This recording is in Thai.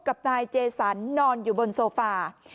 กลุ่มตัวเชียงใหม่